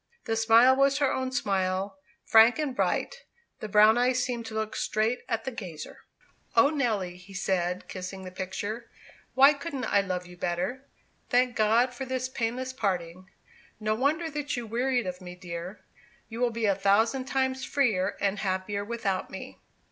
The smile was her own smile, frank and bright; the brown eyes seemed to look straight at the gazer. "O Nelly," he said, kissing the picture, "why couldn't I love you better? Thank God for this painless parting! No wonder that you wearied of me, dear; you will be a thousand times freer and happier without me."